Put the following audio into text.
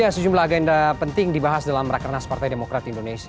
sejumlah agenda penting dibahas dalam rakernas partai demokrat indonesia